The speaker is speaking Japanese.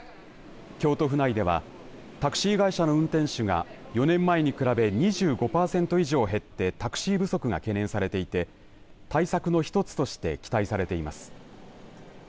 京都府内ではタクシー会社の運転手が４年前に比べ２５パーセント以上減ってタクシー不足が懸念されていて対策の１つとして期待されています。